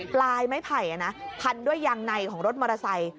ไม้ไผ่พันด้วยยางในของรถมอเตอร์ไซค์